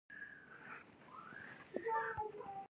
د نجونو تعلیم د کار مهارتونه ورښيي.